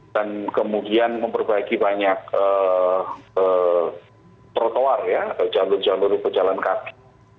dan kemudian memperbaiki banyak protowar ya jalur jalur pejalan kaki